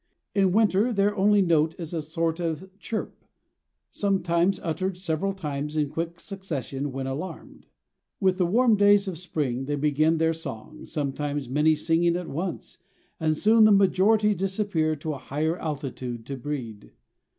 In winter their only note is a sort of chirp, sometimes uttered several times in quick succession when alarmed. With the warm days of spring they begin their song, sometimes many singing at once, and soon the majority disappear to a higher altitude to breed.